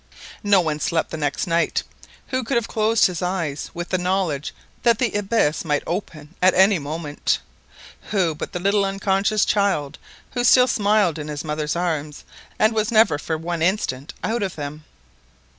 No one slept the next night. Who could have closed his eyes with the knowledge that the abyss beneath might open at any moment?—who but the little unconscious child who still smiled in his mother's arms, and was never for one instant out of them?